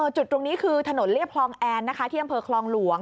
จุดตรงนี้คือถนนเรียบคลองแอนนะคะที่อำเภอคลองหลวง